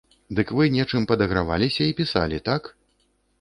Дык вы нечым падаграваліся і пісалі, так?